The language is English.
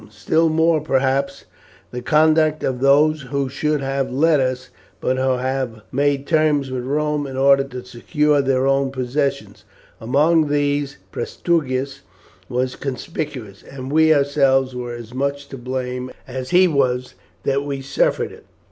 Still more, perhaps, the conduct of those who should have led us, but who have made terms with Rome in order to secure their own possessions. Among these Prasutagus was conspicuous, and we ourselves were as much to blame as he was that we suffered it.